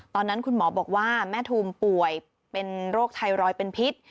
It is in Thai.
ตอนนั้นคุณหมอบอกว่าแม่ทุมป่วยเป็นโรคไทรอยด์เป็นพิษ